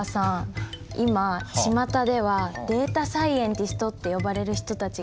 今ちまたでは「データサイエンティスト」って呼ばれる人たちが活躍してるそうです。